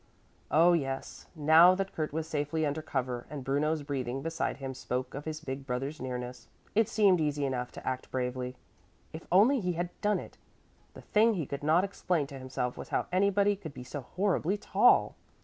Oh, yes, now that Kurt was safely under cover and Bruno's breathing beside him spoke of his big brother's nearness, it seemed easy enough to act bravely! If only he had done it! The thing he could not explain to himself was how anybody could be so horribly tall.